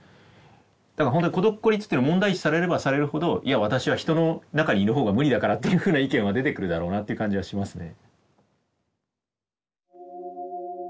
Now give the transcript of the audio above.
だから本当に孤独・孤立というのが問題視されればされるほどいや私は人の中にいる方が無理だからっていうふうな意見は出てくるだろうなという感じはしますね。